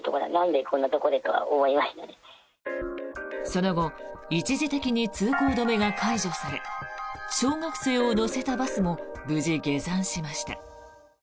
その後一時的に通行止めが解除され小学生を乗せたバスも無事、下山しました。